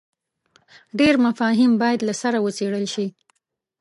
ډېر مفاهیم باید له سره وڅېړل شي.